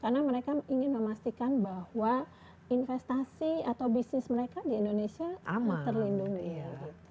karena mereka ingin memastikan bahwa investasi atau bisnis mereka di indonesia terlindungi